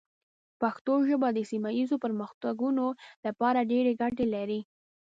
پښتو ژبه د سیمه ایزو پرمختګونو لپاره ډېرې ګټې لري.